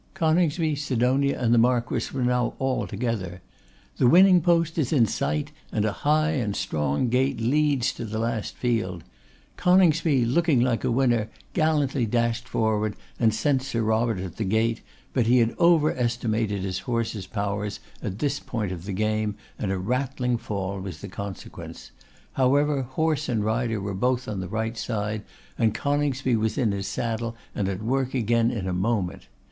Coningsby, Sidonia, and the Marquess were now all together. The winning post is in sight, and a high and strong gate leads to the last field. Coningsby, looking like a winner, gallantly dashed forward and sent Sir Robert at the gate, but he had over estimated his horse's powers at this point of the game, and a rattling fall was the consequence: however, horse and rider were both on the right side, and Coningsby was in his saddle and at work again in a moment.